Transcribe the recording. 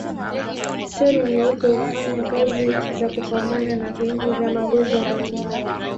Seli nyeupe hufanya kazi ya kupambana na viini vya magonjwa mbalimbali.